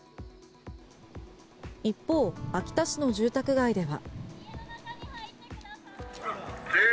一方、秋田市の住宅街では。